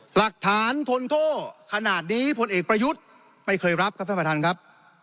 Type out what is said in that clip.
หลักฐานทนโทษขนาดนี้พลเอกประยุทธ์ไม่เคยรับครับท่านประธานครับ